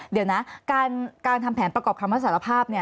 เดี๋ยวนะการทำแผนประกอบคำรับสารภาพ